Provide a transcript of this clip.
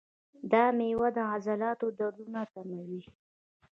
دا میوه د عضلاتو دردونه کموي.